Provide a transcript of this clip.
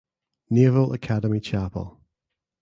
Naval Academy Chapel.